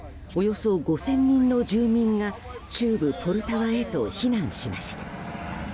およそ５０００人の住民が中部ポルタワへと避難しました。